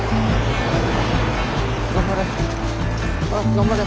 頑張れ。